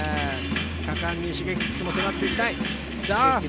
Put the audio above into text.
果敢にＳｈｉｇｅｋｉｘも迫っていきたい。